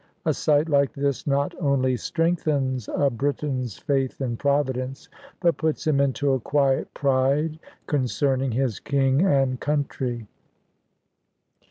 A sight like this not only strengthens a Briton's faith in Providence, but puts him into a quiet pride concerning his King and country.